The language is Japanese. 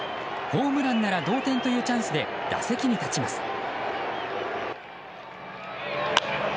ホームランなら同点というチャンスで打席に立ちます。